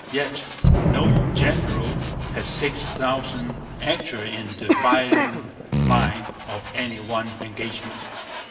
Yet no general had six thousand actually in the firing line of any one engagement.